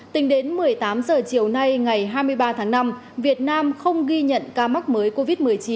tính đến một mươi tám h chiều nay ngày hai mươi ba tháng năm việt nam không ghi nhận ca mắc mới covid một mươi chín